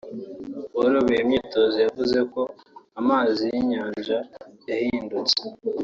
uwari uyoboye imyitozo yavuze ko amazi y'inyanja yahindutse